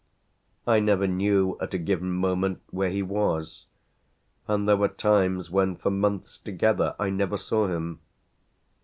I never knew at a given moment where he was, and there were times when for months together I never saw him.